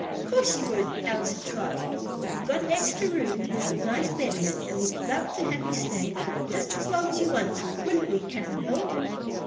"Course she would!" answered Trot. "We've got an extra room with a nice bed in it, and we'd love to have you stay just as long as you want to wouldn't we, Cap'n Bill?"